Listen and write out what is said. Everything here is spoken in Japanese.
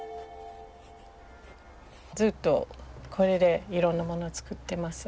ずっとこれでいろんな物を作ってます。